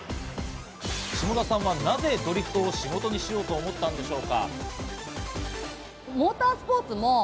下田さんは、なぜドリフトを仕事にしようと思ったんでしょうか？